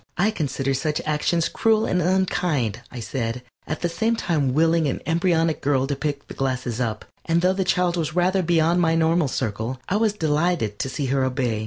"I consider such actions cruel and unkind," I said, at the same time willing an embryonic girl to pick the glasses up, and though the child was rather beyond my normal circle, I was delighted to see her obey.